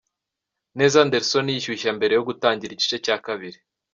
Neza Anderson yishyushya mbere yo gutangira igice cya kabiri .